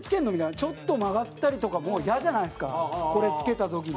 ちょっと曲がったりとかもイヤじゃないですかこれ、付けた時に。